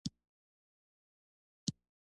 هره ورځ د توبې لپاره نوې موقع ده.